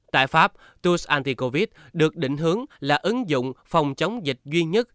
tại pháp tools anti covid được định hướng là ứng dụng phòng chống dịch duy nhất